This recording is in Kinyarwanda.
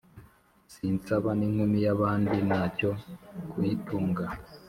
Sinsaba n,inkumi yabandi nacyo kuyitunga